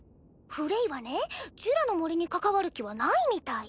フレイはねジュラの森に関わる気はないみたい。